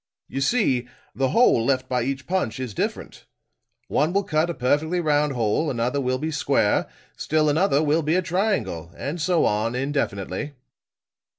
You see the hole left by each punch is different. One will cut a perfectly round hole, another will be square, still another will be a triangle, and so on, indefinitely."